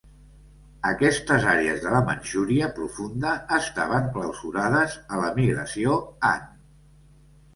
Aquestes àrees de la Manxúria profunda estaven clausurades a la migració Han.